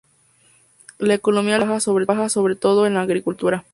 La economía local se basa sobre todo en la agricultura.